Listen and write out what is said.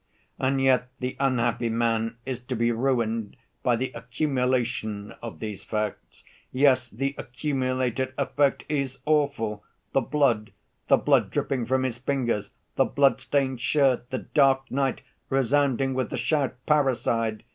And yet the unhappy man is to be ruined by the accumulation of these facts. Yes, the accumulated effect is awful: the blood, the blood dripping from his fingers, the bloodstained shirt, the dark night resounding with the shout 'Parricide!